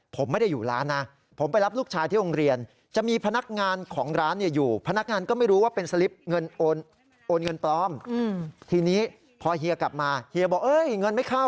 ผมไม่ได้อยู่ร้านนะผมไปรับลูกชายที่โรงเรียน